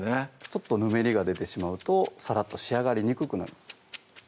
ちょっとぬめりが出てしまうとさらっと仕上がりにくくなるんです